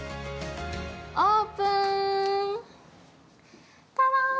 オープン。